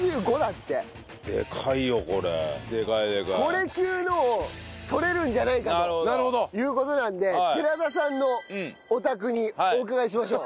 これ級のを取れるんじゃないかという事なので寺田さんのお宅にお伺いしましょう。